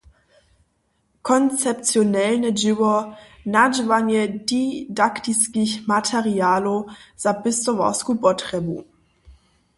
koncepcionelne dźěło, nadźěłanje didaktiskich materialijow za pěstowarsku potrjebu.